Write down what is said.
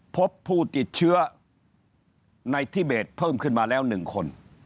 พบผู้ติดเชื้อในทิเบสเพิ่มขึ้นมาแล้ว๑คน